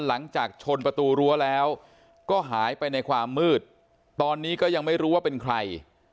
หลังจากชนประตูรั้วแล้วก็หายไปในความมืดตอนนี้ก็ยังไม่รู้ว่าเป็นใคร